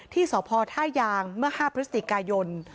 ที่สพท่ายางเมื่อ๕พฤศจิกายน